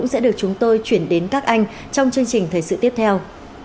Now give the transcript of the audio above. sẽ được chúng tôi chuyển đến các anh trong chương trình thời sự tiếp theo